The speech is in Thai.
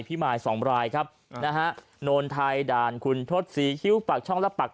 มายสองรายครับนะฮะโนนไทยด่านคุณทศศรีคิ้วปากช่องและปาก